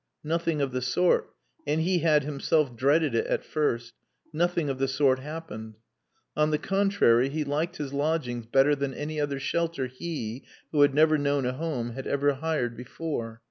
Nothing of the sort (and he had himself dreaded it at first), nothing of the sort happened. On the contrary, he liked his lodgings better than any other shelter he, who had never known a home, had ever hired before.